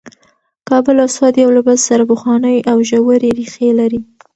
کابل او سوات یو له بل سره پخوانۍ او ژورې ریښې لري.